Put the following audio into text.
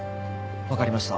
わかりました。